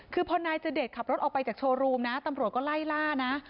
คือพอนายเจเดชขับรถออกไปจากโชว์รูมนะตำรวจก็ไล่ล่านะ